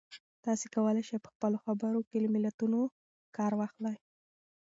تاسي کولای شئ په خپلو خبرو کې له متلونو کار واخلئ.